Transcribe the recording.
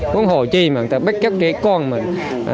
cũng hồ chi mà người ta bắt cóc cái con mình